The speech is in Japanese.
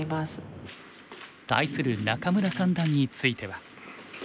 対する仲邑三段については。